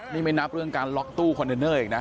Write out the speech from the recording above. นี่ไม่นับเรื่องการล็อกตู้คอนเทนเนอร์อีกนะ